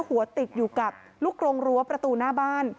หัวติดอยู่กับลูกกรงรั้วประตูหน้าบ้าน